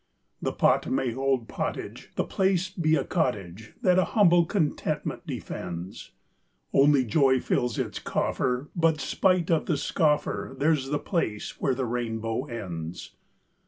The pot may hold pottage, The place be a cottage, That a humble contentment defends, Only joy fills its coffer, But spite of the scoffer, There's the place where the rainbow ends.